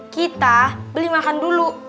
kita beli makan dulu